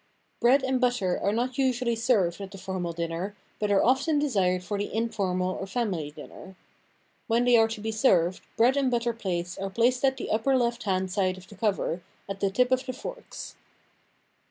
Bread and butter are not usually served at the formal dinner, but are often desired for the informal or family dinner. When they are to be served, bread and butter plates are placed at the upper left hand side of the cover, at the tip of the forks.